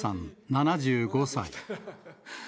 ７５歳。